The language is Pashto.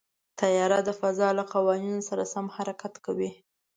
طیاره د فضا له قوانینو سره سم حرکت کوي.